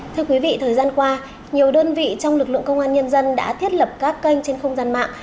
thưa quý vị thời gian qua nhiều đơn vị trong lực lượng công an nhân dân đã thiết lập các kênh trên không gian mạng